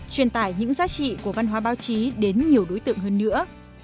truyền tải những giá trị của văn hóa báo chí đến nhiều đối tượng hơn nữa